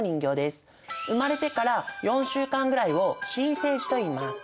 生まれてから４週間ぐらいを新生児といいます。